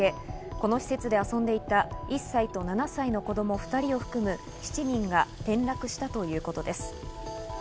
この施設で遊んでいた１歳と７歳の子供２人を含む７人が転落したということです。